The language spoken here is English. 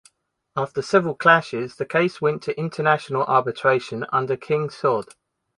After several clashes, the case went to international arbitration under King Saud.